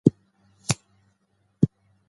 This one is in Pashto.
ژبه د ملتونو تر منځ اړیکه جوړوي.